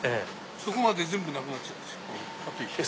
そこまで全部なくなっちゃうんですよ立石。